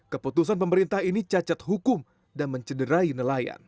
keputusan pemerintah ini cacat hukum dan mencederai nelayan